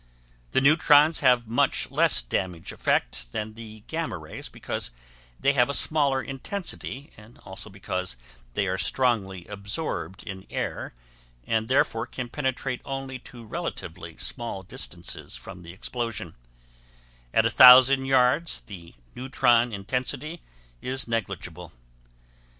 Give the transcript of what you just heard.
The neutrons have much less damage effect than the gamma rays because they have a smaller intensity and also because they are strongly absorbed in air and therefore can penetrate only to relatively small distances from the explosion: at a thousand yards the neutron intensity is negligible.